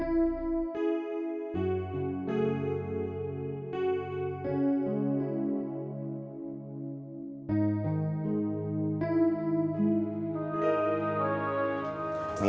ya sudah pak